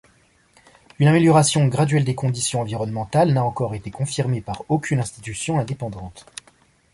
Une amélioration graduelle des conditions environnementales n'a encore été confirmée par aucune institution indépendante.